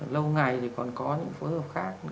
lâu ngày thì còn có những phối hợp khác